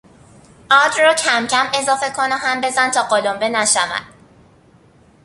آرد را کمکم اضافه کن و هم بزن تا قلمبه نشود.